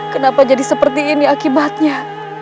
kenapa jadi seperti ini akibatnya